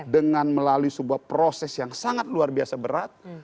dengan melalui sebuah proses yang sangat luar biasa berat